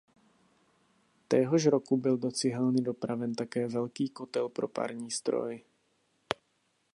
Téhož roku byl do cihelny dopraven také velký kotel pro parní stroj.